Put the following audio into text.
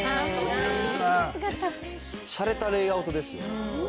しゃれたレイアウトですね。